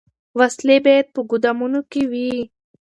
وسلې باید په ګودامونو کي وي.